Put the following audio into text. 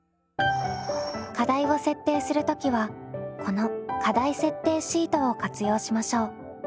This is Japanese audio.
課題を設定する時はこの課題設定シートを活用しましょう。